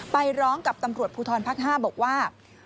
ไปร้องกับตำรวจภูทรภาค๕บอกว่า